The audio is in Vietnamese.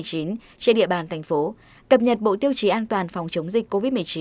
trên địa bàn tp hcm cập nhật bộ tiêu chí an toàn phòng chống dịch covid một mươi chín